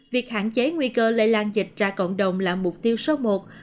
việc hạn chế nguy cơ lây lan dịch ra cộng đồng là mục tiêu số một